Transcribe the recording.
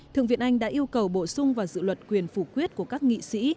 thượng viện anh đã yêu cầu bổ sung vào dự luật quyền phủ quyết của các nghị sĩ